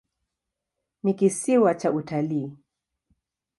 Ni kisiwa cha utalii.